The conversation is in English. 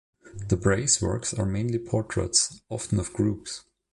De Bray's works are mainly portraits, often of groups.